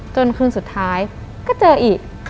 จนคืนสุดท้ายก็เจออีก